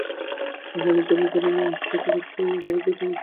তা হলে আর দেরি কোরো না, আজ রাত্রের গাড়িতেই তুমি চলে যাও।